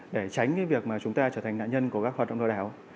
để tránh việc chúng ta trở thành nạn nhân của các hoạt động lừa đảo